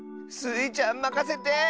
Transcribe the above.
スイちゃんまかせて！